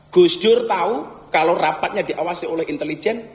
gus dur tahu kalau rapatnya diawasi oleh intelijen